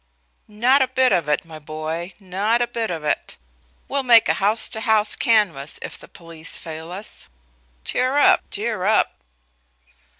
"Not a bit of it, my boy, not a bit of it. We'll make a house to house canvass if the police fail us. Cheer up, cheer up!"